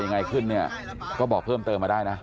ยังไงขึ้นเนี่ยก็บอกเพิ่มเติมมาได้นะ